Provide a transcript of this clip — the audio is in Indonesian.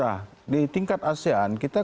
harga tertingginya untuk